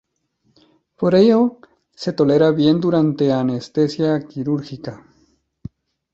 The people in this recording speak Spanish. Por ello, se tolera bien durante anestesia quirúrgica.